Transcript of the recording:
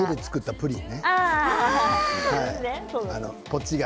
プリン。